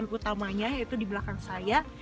ada satu ikon utamanya yaitu di belakang saya